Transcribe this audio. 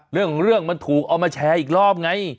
เรื่องของมันถูกเอามาแชร์อีกรอบไง